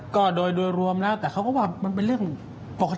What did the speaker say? ก็โดยรวมแล้วแต่เขาก็ว่ามันเป็นเรื่องปกติ